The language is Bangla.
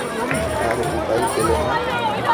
আর উপায় পেলে না!